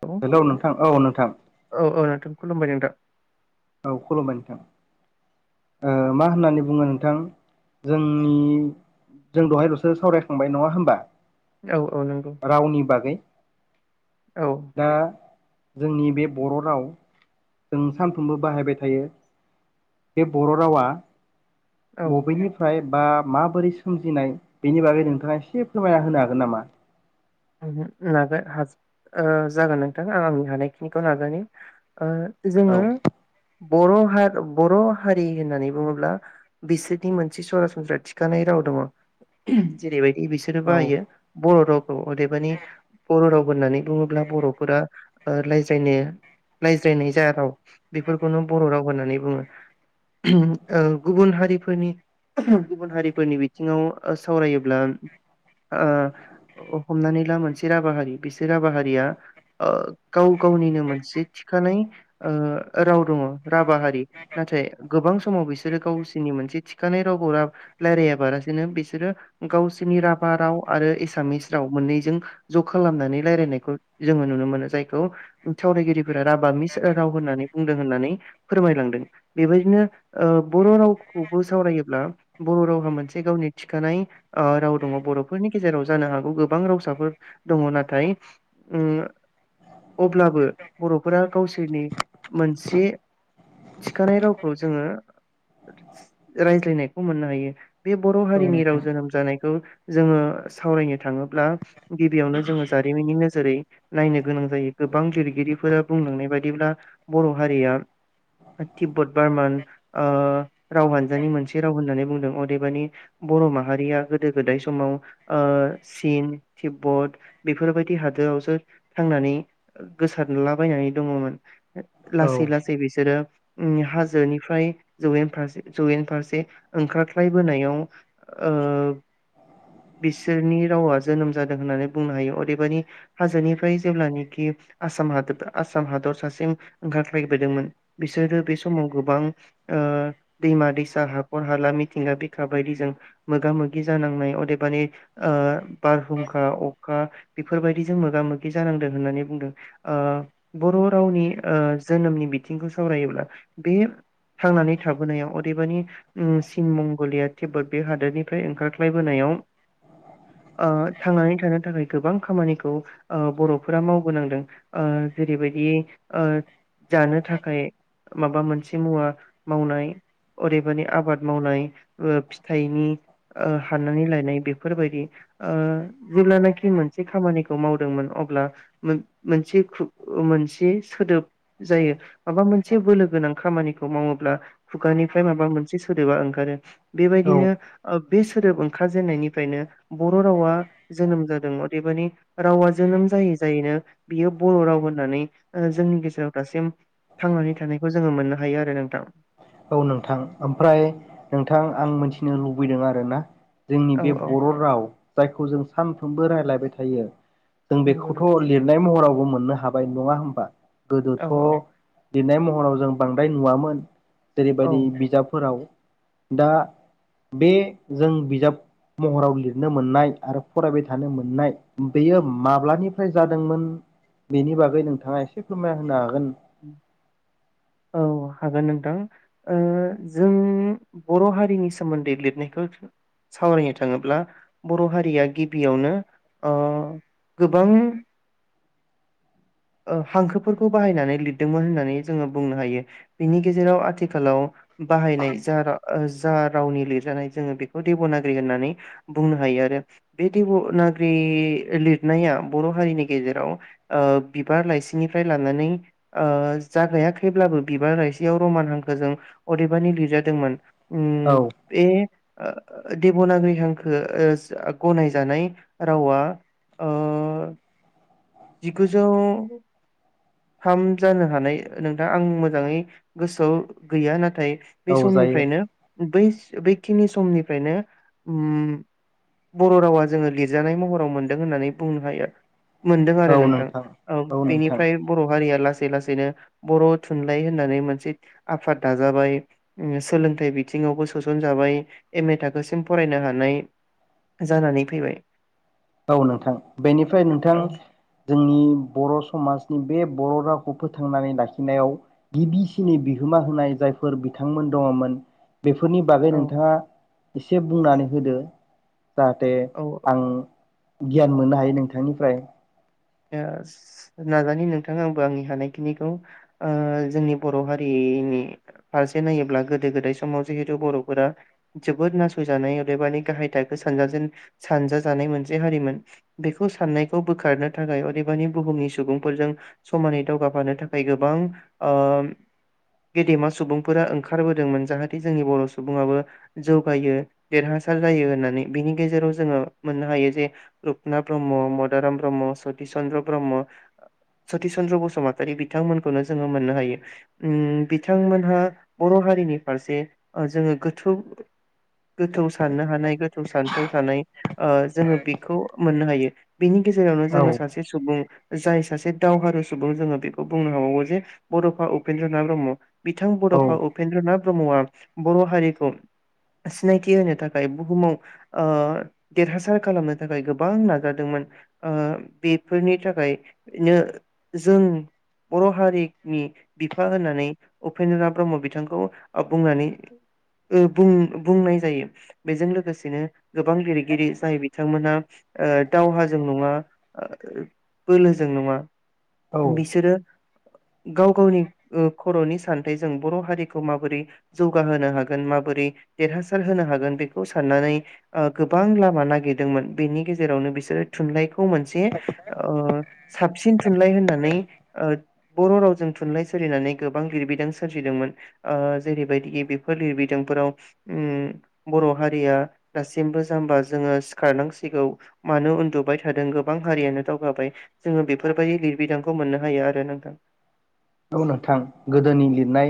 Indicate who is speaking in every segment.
Speaker 1: औ औ
Speaker 2: हेलौ नोंथां औ नोंथां
Speaker 1: औ नोंथां खुलुमबाय नोंथां।
Speaker 2: औ खुलुमबाय नोंथां। ओ मा होननानै बुङो नोंथां जोंनि जों दहायल'सो सावरायखांबाय नङा होमबा
Speaker 1: औ औ नंगौ
Speaker 2: रावनि बागै
Speaker 1: औ
Speaker 2: दा जोंनि बे बर' राव जों सानफ्रोमबो बाहायबाय थायो। बे बर' रावा
Speaker 1: ओहो
Speaker 2: बबेनिफ्राय बा माबोरै सोमजिनाय बेनि बागै नोंथाङा एसे फोरमायना होनो हागोन नामा?
Speaker 1: [unintelligible] ओ जागोन नोंथां आं आंनि हानायखिनिखौ नाजानि ओ
Speaker 2: औ
Speaker 1: जोङो बर' हा बर' हारि होननानै बुङोब्ला बिसोरनि मोनसे सरासनस्रा थिखानाय राव दङ जेरैबाय दि बिसोरो बाहायो बर' राव अदेबानि बर' राव होननानै बुङोब्ला बर'फोरा ओ रायज्रायनो रायज्रायनाय जा राव बेफोरखौनो बर' राव होननानै बुङो। ओ गुबुन हारिफोरनि गुबुन हारिफोरनि बिथिङाव सावरायोब्ला हमनानै ला मोनसे राभा हारि बिसोर राभा हारिया ओ गाव गावनिनो मोनसे थिखानाय ओ राव दङ राभा हारि नाथाय गोबां समाव बिसोरो गावसोरनि मोनसे थिखानाय रावखौ रायलायाबालासिनो बिसोरो गावसिनि राभा राव आरो एसामिस राव मोननैजों ज' खालामनानै रायलायनायखौ जोङो नुनो मोनो जायखौ सावरायगिरिफोरा राभा मिस राव होननानै बुंदों होननानै फोरमायलांदों बेबायदिनो ओ बर' रावखौबो सावरायोब्ला बर' रावहा मोनसे गावनि थिखानाय ओ राव दङ बर'फोरनि गेजेराव जानो हागौ गो बां रावसाफोर दङ नाथाय ओम अब्लाबो बर'फोरा गावसोरनि मोनसे थिखानाय रावखौ जोङो रायज्लायनायखौ मोननो हायो। बे बर'
Speaker 2: औ
Speaker 1: हारिनि राव
Speaker 2: नोंथां
Speaker 1: जोनोम जानायखौ जोङो सावरायनो थाङो ब्ला गिबियावनो जोङो जारिमिननि नोजोरै नायनो गोनां जायो गोबां लिरगिरिफोरा बुंलांनाय बायदिब्ला बर' हारिया तिब्बत बारमान ओ राव हान्जानि मोनसे राव होननानै बुंदों अदेबानि बर' माहारिया गोदो गोदाय समाव ओ चिन तिब्बत बेफोरबायदि हादोरावसो थांनानै गोसारलाबायनानै दङमोन।
Speaker 2: औ
Speaker 1: लासै लासै बिसोरो ओम हाजोनिफ्राय जयेन फारसे जयेन फारसे ओंखारस्लायबोनायाव ओ बिसोरनि रावा जोनोम जादों होननानै बुंनो हायो अदेबानि हाजोनिफ्राय जेब्लानोखि आसाम हादोद आसाम हादर सासेम ओंखारख्लायबोदोंमोन बिसोरो बे समाव गोबां दैमा दैसा हाखर हाला मिथिंगा बिखा बायदिजों मोगा मोगि जानांनाय अदेबानि ओ बारहुंखा अखा बेफोरबायदिजों मोगा मोगि जानांदों होननानै बुंदों ओ बर' रावनि ओ जोनोमनि बिथिंखौ सावरायोब्ला बे थांनानै थाबोनायाव अदैबानि चिन मंगलिया तिब्बत बे हादोरनिफ्राय ओंखारख्लायबोनायाव ओ थांनानै थानो थाखाय गोबां खामानिखौ ओ बर'फोरा मावबोनांदों ओ जेरैबायदि ओ जानो थाखाय माबा मोनसे मुवा मावनाय अदेबानि आबाद मावनाय फिथाइनि ओ हाननानै लायनाय बेफोरबायदि ओ जेल्लानाखि मोनसे खामानिखौ मावदोंमोन अब्ला मोनसे मोनसे सोदोब जायो माबा मोनसे बोलो गोनां खामानिखौ मावोब्ला खुगानिफ्राय माबा मोनसे सोदोबा ओंखारो।
Speaker 2: औ
Speaker 1: बेबायदिनो बे सोदोब ओंखारजेननायनिफ्रायनो बर' रावा जोनोम जादों अदेबानि रावा जोनोम जायै जायैनो बियो बर' राव होननानै जोंनि गेजेराव दासिम थांनानै थानायखौ जोङो मोननो हायो आरो नोंथां।
Speaker 2: औ नोंथां ओमफ्राय नोंथां आं मिथिनो लुबैदों आरोना जोंनि
Speaker 1: औ
Speaker 2: बे
Speaker 1: औ
Speaker 2: बर' राव जायखौ जों सानफ्रोमबो रायलायबाय थायो। जों
Speaker 1: नंगौ
Speaker 2: बेखौथ'
Speaker 1: नोंथां
Speaker 2: लिरनाय महराव मोननो हाबाय नङा होमबा?
Speaker 1: औ
Speaker 2: गोदोथ'
Speaker 1: औ
Speaker 2: लिरनाय महराव जों बांद्राय नुवामोन।
Speaker 1: औ
Speaker 2: जेरैबायदि बिजाबफोराव दा बे जों बिजाब महराव लिरनो मोननाय आरो फरायबाय थानो मोननाय बेयो माब्लानिफ्राय जादोंमोन बेनि बागै नोंथाङा एसे फोरमायना होनो हागोन?
Speaker 1: औ हागोन नोंथां जों बर' हारिनि सोमोन्दै लिरनायखौ सावरायनो थाङोब्ला बर' हारिया गिबियावनो अ गोबां हांखोफोरखौ बाहायनानै लिरदोंमोन होननानै जोङो बुंनो हायो बिनि गेजेराव आथिखालाव बाहायनाय जा रावनि लिरजानाय जोङो बेखौ देब'नागिरि होननानै बुंनो हायो आरो बे देब'नागिरि लिरनाया बर' हारिनि गेजेराव बिबार लाइसिनिफ्राय लानानै जागायाखैब्लाबो बिबार लाइसियाव रमान हांखोजों अदेबानि लिरजादोंमोन। उम
Speaker 2: औ
Speaker 1: ए देब'नागिरि हांखो गनायजानाय रावा ओ जिगुजौ थाम जानो हानाय नोंथां आं मोजाङै गोसोआव गैया नाथाय बे
Speaker 2: औ जायो
Speaker 1: समनिफ्रायनो बै बैखिनि समनिफ्रायनो बर' रावा जोङो लिरजानाय महराव मोनदों होननानै बुंनो हायो मोनदों आरो। नोंथां औ बेनिफ्राय बर' हारिया लासै लासैनो बर' थुनलाइ होननानै मोनसे आफाद दाजाबाय सोलोंथाइ बिथिङावबो सोसनजाबाय एम ए थाखोसिम फरायनो हानाय जानानै फैबाय।
Speaker 2: औ नोंथां बेनिफ्राय नोंथां
Speaker 1: औ
Speaker 2: आंनि बर' समाजनि बे बर' रावखौ फोथांनानै लाखिनायाव गिबिसिननि बिहोमा होनाय जायफोर बिथांमोन दङमोन। बेफोरनि बागै
Speaker 1: औ
Speaker 2: नोंथाङा एसे बुंनानै होदो जाहाथे
Speaker 1: औ
Speaker 2: आं गियान मोननो हायो नोंथांनिफ्राय
Speaker 1: नाजानि नोंथां आंबो आंनि हानायखिनिखौ ओ जोंनि बर' हारिनि फारसे नायोब्ला गोदो गोदाय समाव जिहेथु बर'फोरा जोबोद नासयजानाय अदेबानि गाहाय थाखो सानजेन सानजाजानाय मोनसे हारिमोन बेखौ साननायखौ बोखारनो थाखाय अदेबानि बुहुमनि सुबुंफोरजों समानै दावगाफानो थाखाय गोबां गेदेमा सुबुंफोरा ओंखारबोदोंमोन जाहाथे जोंनि बर' सुबुंआो जौगायो देरहासार जायो होननानै बिनि गेजेराव जोङो मोननो हायो जे रुपनाथ ब्रह्म मदाराम ब्रह्म सति चन्द्र ब्रह्म सति चन्द्र बसुमतारी बिथांमोनखौनो जोङो मोननो हायो उ बिथांमोनहा बर' हारिनि फारसे जोङो गोथौ गोथौ साननो हानाय गोथौ सान्थौ थानाय जोङो बेखौ मोननो हायो। बिनि गेजेरावनो
Speaker 2: औ
Speaker 1: जोङो सुबुं जाय सासे दावहारु सुबुं जोङो बेखौ बुंनो हाबावो जे बड'फा उपेन्द्रनाथ ब्रह्म बिथां
Speaker 2: औ
Speaker 1: बड'फा उपेन्द्रनाथ ब्रह्मआ बर' हारिखौ सिनायथि होनो थाखाय बुहुमाव ओ देरहासार खालामनो थाखाय गोबां नाजादोंमोन ओह बेफोरनि थाखायनो जों बर' हारिनि बिफा होननानै उपेन्द्रनाथ ब्रह्म बिथांखौ बुंनानै बुं बुंनाय जायो बेजों लोगोसेनो गोबां लिरगिरि जाय बिथांमोनहा ओ दावहाजों नङा बोलोजों नङा
Speaker 2: औ
Speaker 1: बिसोरो गाव गावनि खर'नि सान्थायजों बर' हारिखौ माबोरै जौगाहोनो हागोन माबोरै देरहासार होनो हागोन बेखौ साननानै ओ गोबां लामा नागिरदोंमोन बेनि गेजेरावनो बिसोरो थुनलाइखौ मोनसे ओ साबसिन थुनलाइ होननानै बर' रावजों थुनलाइ सोरजिनानै गोबां लिरबिदां सोरजिदोंमोन ओ जेरैबायदि बेफोर लिरबिदांफोराव उम बर' हारिया दासिमबो जामबा जोङो सिखारनांसिगौ मानो उन्दुबाय थादों गोबां हारियानो दावगाबाय जोङो बेफोरबायदि लिरबिदांखौ मोननो हायो आरो नोंथां।
Speaker 2: औ नोंथां गोदोनि लिरनाय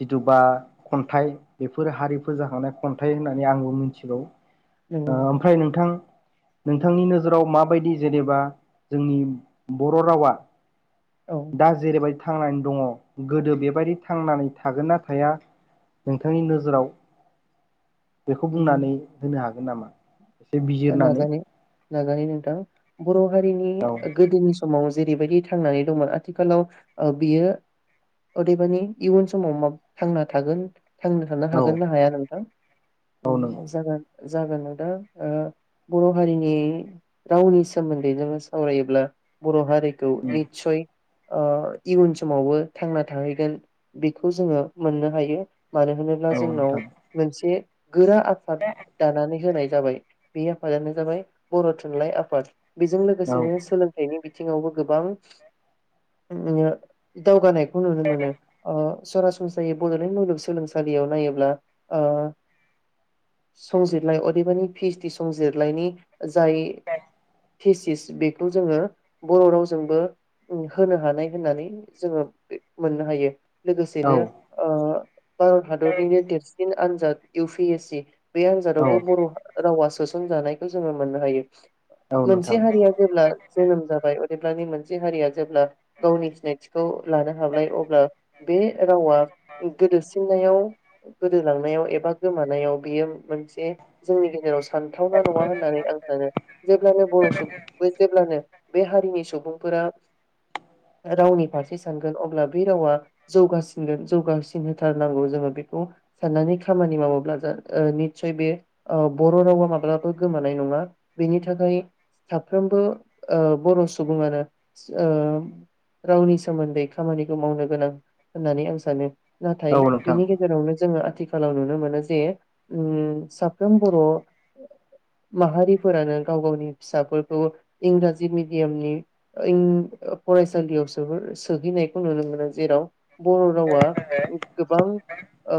Speaker 2: जिथु बा खन्थाइ बेफोर हारिफोर जाखांनाय खन्थाइ होननानै आंबो मिथिगौ। ओ ओमफ्राय नोंथां नोंथांनि नोजोराव माबायदि जेनेबा जोंनि बर' रावा
Speaker 1: औ
Speaker 2: दा जेरैबायदि थांनानै दङ गोदो बेबायदि थांनानै थागोन ना थाया नोंथांनि नोजोराव बेखौ बुंनानै होनो हागोन। नामा? एसे बिजिरनानै
Speaker 1: नाजानाय नाजानानै नोंथां बर' हारिनि
Speaker 2: औ
Speaker 1: गोदोनि समाव जेरैबायदि थांनानै दंमोन आथिखालाव बियो ओदैबानि इयुन समाव थांना थागोन। थांना थानो
Speaker 2: औ
Speaker 1: हागोन ना हाया नोंथां?
Speaker 2: औ नों
Speaker 1: जागोन। जागोन नोंथां ओ बर' हारिनि रावनि सोमोन्दै जोङो सावरायोब्ला बर' हारि निसय इयुन समावबो थांना थाहैगोन बेखौ जोङो मोननो हायो। मानो होनोब्ला
Speaker 2: औ
Speaker 1: जोंनाव
Speaker 2: नोंथां
Speaker 1: मोनसे गोरा आफाद दानानै होनाय जाबाय बे आफादानो जाबाय बर' थुनलाइ आफाद। बेजों
Speaker 2: औ
Speaker 1: लोगोसेनो सोलोंथाइनि बिथिङावबो गोबां उम दावगानाय खौ नुनो मोनो सरासनस्रायै बड'लेण्ड मुलुगसोलोंसालियाव नायोब्ला ओ संजितलइ अदेबानि फिस्टि संजिलायनि जाय फेसिस बेखौ जोङो बर' रावजोंबो होनो हानाय होननानै जोङो मोननो हायो।
Speaker 2: औ
Speaker 1: लोगोसेनो ओ बार हादरनिनो देरसिन आनजाद इउ फि एस सि। बे
Speaker 2: औ
Speaker 1: आनजादावबो बर' हौवास सोसनजानायखौ जोङो मोननो हायो।
Speaker 2: औ
Speaker 1: मोनसे
Speaker 2: नोंथां
Speaker 1: हारिया जेब्ला जोनोम जाबाय जेब्लानि मोनसे हारिया जेब्ला गावनि सिनायथिखौ लानो हाबलाय अब्ला बे रावा गोदोसिन नायाव गोदोलानायाव एबा गोमानायाव बेयो मोनसे जेराव सानथावना नङा होननानै आं सानो जेब्लानो बर' सुबुं जेब्लानो बे हारिनि सुबुंफोरा रावनि फारसे सानगोन अब्ला बे रावा जौगासिनगोन जौगासिन होथारनांगौ जोङो बेखौ साननानै खामानि मावोब्ला जा निस्सय बे बर' रावा माब्लाबो गोमानाय नङा बेनि थाखाय साफ्रोमबो ओ बर' सुबुङानो ओ रावनि सोमोन्दै खामानिखौ मावनो गोनां होननानै आं सानो। नाथाय
Speaker 2: औ नोंथां
Speaker 1: बिनि गेजेरावनो जोङो आथिखालाव नुनो मोनो जे उम साफ्रोम बर' माहारिफोरानो गाव गावनि फिसाफोरखौ इंराजि मेडियामनि फरायसालियाव सो सोहैनायखौ नुनो मोनो जेराव बर' रावा गोबां ओ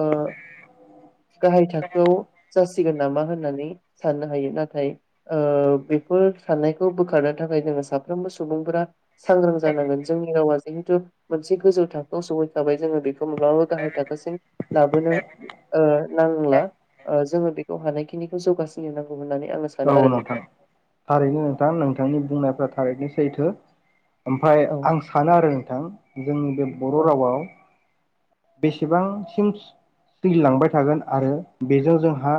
Speaker 1: गाहाय थाखोआव जासिगोन। होननानै साननो हायो नाथाय ओ बेफोर साननायखौ बोखारनो थाखाय जोङो साफ्रोमबो सुबुंफोरा सांग्रां जानांगोन जोंनि रावा जिहेथु मोनसे गोजौ थाखोआव सहैखाबाय जोङो बेखौ माब्लाबाबो गाहाय थाखोसिम लाबोनो ओ नांला ओ जोङो बे हानायखिनिखौ जौगासिनो नांगौ होननानै आङो सानो
Speaker 2: औ
Speaker 1: आरो
Speaker 2: नोंथां थारैनो नोंथां नोंथांनि बुंनायफ्राथ थारैनो सैथो। ओमफ्राय
Speaker 1: औ
Speaker 2: आं सानो आरो नोंथां जोंनि बे बर'
Speaker 1: औ
Speaker 2: रावआव बेसेबांसिम सोलिलांबाय थागोन आरो बेजों जोंहा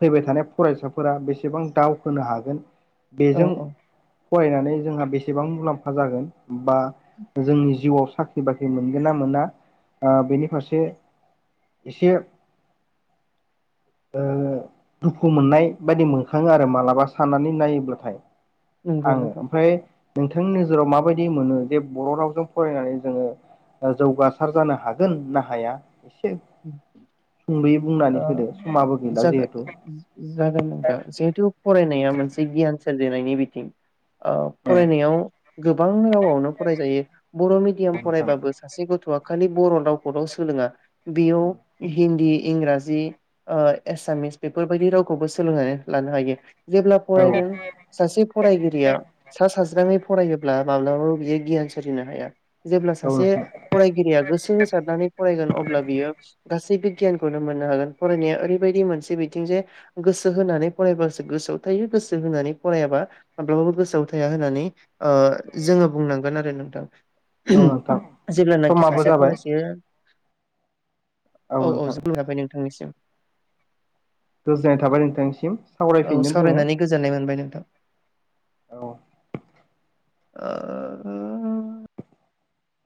Speaker 2: फैबाय थानाय फरायसाफोरा बेसेबां दावखोनो हागोन।
Speaker 1: औ
Speaker 2: बेजों
Speaker 1: औ
Speaker 2: फरायनानै जोंहा बेसेबां मुलाम्फा जागोन बा जोंनि जिउआव साख्रि बाख्रि मोनगोन ना मोना। ओ बेनि फारसे एसे दुखु मोननाय बायदि मोनखाङो आरो मालाबा साननानै नायोब्लाथाय
Speaker 1: नंगौ
Speaker 2: आङो
Speaker 1: नोंथां।
Speaker 2: ओमफ्राय नोंथांनि नोजोराव माबायदि मोनो जे बर' रावजों फरायनानै जोङो जौगासार जानो हायो हागोन ना हाया
Speaker 1: [unintelligible]
Speaker 2: एसे सुंद'यै बुंनानै होदो समाबो गैला जिहेथु
Speaker 1: [unintelligible] जिरायनि बिथिं ओ
Speaker 2: औ
Speaker 1: फरायनायाव गोबां रावावनो फरायजायो बर' मिडियाम
Speaker 2: नोंथां
Speaker 1: फरायबाबो सासे गथ'आ खालि बर' रावखौल सोलोङा बेयाव हिन्दी इंराजि ओ एसामिस बेफोरबायदि रावखौबो सोलोंनानै लानो हायो जेब्ला
Speaker 2: औ
Speaker 1: फरायदों सासे फरायगिरिया सा साज्राङै फरायोब्ला माब्लाबाबो बियो गियान सोरजिनो हाया जेब्ला सासे
Speaker 2: नोंथां
Speaker 1: फरायगिरिया गोसो होसारनानै फरायगोन अब्ला गासै बे बिगियानखौनो मोननो हागोन फरायनाया ओरैबायदि मोनसे बिथिं जे गोसो होनानै फरायबासो गोसोआव थायो गोसो होनानै फरायाबा माब्लाबाबो गोसोआव थाया होननानै ओ जोङो बुंनांगोन आरो नोंथां
Speaker 2: औ नोंथां
Speaker 1: जेब्लानाखि
Speaker 2: समाबो
Speaker 1: सासे
Speaker 2: जाबाय
Speaker 1: फरायसाया औ औ [unintelligible] नोंथांनि सिम
Speaker 2: गोजोननाय थाबाय नोंथांनिसिम
Speaker 1: औ
Speaker 2: सावरायफिनगोन
Speaker 1: सावरायनानै
Speaker 2: जोङो
Speaker 1: गोजोननाय मोनबाय नोंथां
Speaker 2: औ
Speaker 1: औ